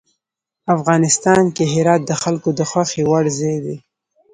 افغانستان کې هرات د خلکو د خوښې وړ ځای دی.